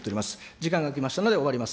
時間がきましたので終わります。